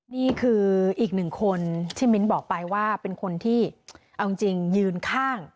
นี่คืออีกหนึ่งคนที่มิ้นบอกไปว่าเป็นคนที่เอาจริงยืนข้าง